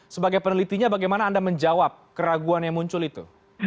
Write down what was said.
sebagai penelitinya bagaimana anda menjawab keraguan yang muncul itu